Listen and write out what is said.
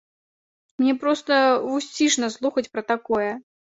І мне проста вусцішна слухаць пра такое!